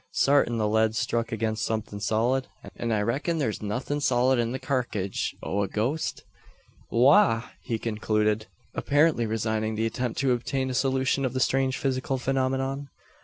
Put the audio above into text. Sartin the lead struck agin somethin' solid; an I reck'n thur's nothin' solid in the karkidge o' a ghost?" "Wagh!" he concluded, apparently resigning the attempt to obtain a solution of the strange physical phenomenon.